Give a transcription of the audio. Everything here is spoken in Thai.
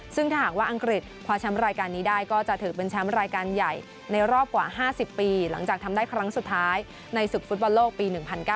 ซึ่งถ้าหากว่าอังกฤษคว้าแชมป์รายการนี้ได้ก็จะถือเป็นแชมป์รายการใหญ่ในรอบกว่า๕๐ปีหลังจากทำได้ครั้งสุดท้ายในศึกฟุตบอลโลกปี๑๙